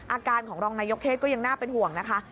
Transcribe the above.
อาการของรองนายกเทศก็ยังน่าเป็นห่วงนะคะ